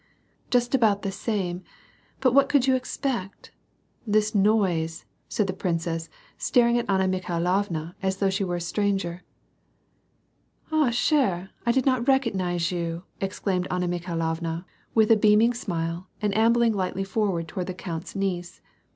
"Just about the same ; but what could you expect — this noise," said the princess, staring at Anna Mikhailovna as though she were a stranger. "Ah, chere, I did not recognize you," exclaimed Anna Mi khailovna, with a beaming smile and ambling lightly forward toward the count's niece.